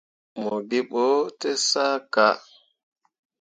Mo gee ɓo te sah ka.